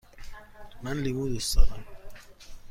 من لیمو دوست دارم.